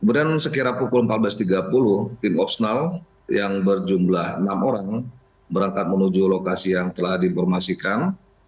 kemudian sekira pukul empat belas tiga puluh tim opsenal yang berjumlah enam orang berangkat menuju lokasi yang telah diinformasikan